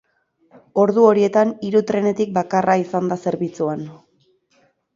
Ordu horietan hiru trenetik bakarra izan da zerbitzuan.